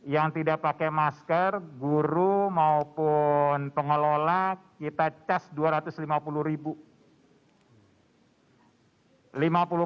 yang tidak pakai masker guru maupun pengelola kita cas dua ratus lima puluh ribu